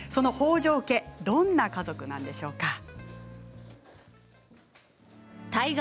北条家はどんな家族なんでしょうか。